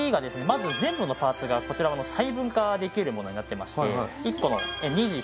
まず全部のパーツがこちらあの細分化できるものになってまして１個のネジ